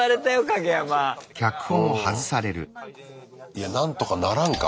いやなんとかならんか？